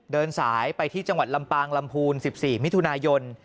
เดินสายไปที่จังหวัดลำปางลำพูน๑๔มิถุนายน